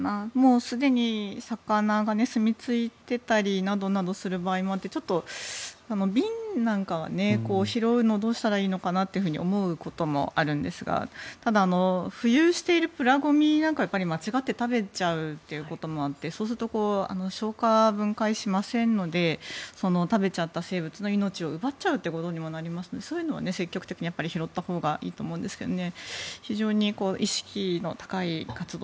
ただ、もうすでに魚がすみついていたりなどなどする場合もあってちょっと瓶なんかは拾うのをどうしたらいいのかなと思うこともあるんですがただ、浮遊しているプラゴミなんか間違って食べちゃうということもあってそうすると消化分解しませんので食べちゃった生物の命を奪うことにもなるのでそういうのは積極的に拾ったほうがいいと思うんですけどね。